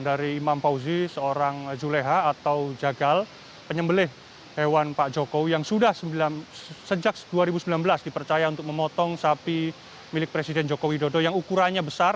dari imam fauzi seorang juleha atau jagal penyembelih hewan pak jokowi yang sudah sejak dua ribu sembilan belas dipercaya untuk memotong sapi milik presiden jokowi dodo yang ukurannya besar